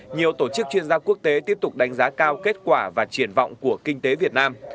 nhiều tổ chức chuyên gia quốc tế tiếp tục đánh giá cao kết quả và triển vọng của kinh tế việt nam